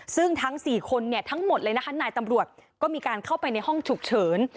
ซึ่งทั้ง๔คนทั้งหมดเลยนะคะนายตำรวจก็มีการเข้าไปในห้องฉุกเฉิน